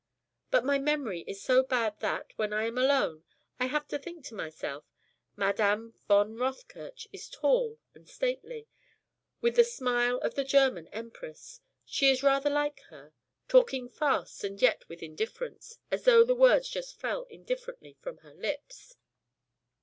But my memory is so bad that, when I am alone, I have to think to myself: Madame von Rothkirch is tall and stately, with the smile of the German Empress she is rather like her talking fast and yet with indifference, as though the words just fell indifferently from her lips...."